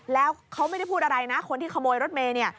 แล้วเขาไม่ได้พูดอะไรนะคนที่ขโมยรถเมย์เนี่ย